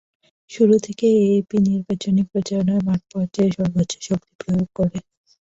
শুরু থেকে এএপি নির্বাচনি প্রচারণায় মাঠ পর্যায়ে সর্ব্বোচ্য শক্তি প্রয়োগ করে।